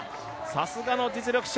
さすがの実力者